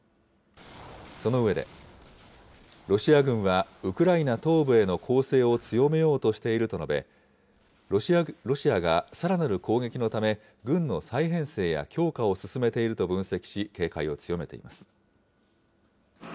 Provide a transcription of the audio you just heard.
その上で、ロシア軍は、ウクライナ東部への攻勢を強めようとしていると述べ、ロシアがさらなる攻撃のため、軍の再編成や強化を進めていると分析し、警戒を強めています。